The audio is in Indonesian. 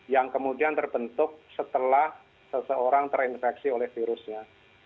yang kemudian terbentuk setelah seseorang terinfeksi oleh virusnya